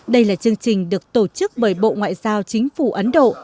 đây là chương trình được tổ chức bởi bộ ngoại giao chính phủ ấn độ